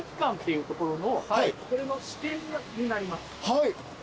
はい。